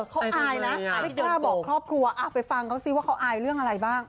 เขาอายนะไม่กล้าบอกครอบครัวไปฟังเขาสิว่าเขาอายเรื่องอะไรบ้าง